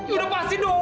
udah pasti dong